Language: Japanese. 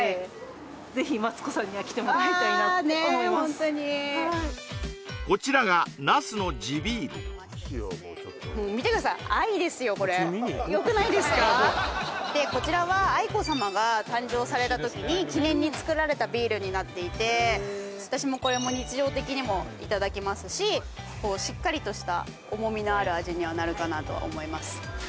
ホントにこちらが那須の地ビールもう見てください「愛」ですよこれよくないですかでこちらは愛子さまが誕生された時に記念につくられたビールになっていて私もこれも日常的にもいただきますししっかりとした重みのある味にはなるかなとは思います